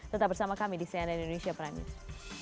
tetap bersama kami di cnn indonesia prime news